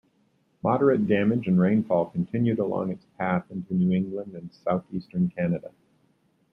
Moderate damage and rainfall continued along its path into New England and southeastern Canada.